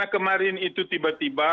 kemarin itu tiba tiba